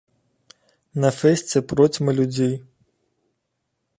На фэсце процьма людзей.